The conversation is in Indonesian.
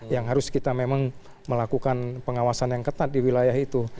yang harus kita memang melakukan pengawasan yang ketat di wilayah itu